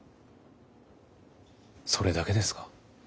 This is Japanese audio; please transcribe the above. それだけですか？